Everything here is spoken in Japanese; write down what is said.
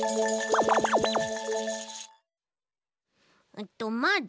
えっとまず。